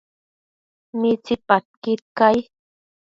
Midapadquid cai?